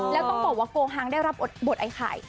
แล้วต้องบอกว่าโกฮังได้รับบทไอ้ไข่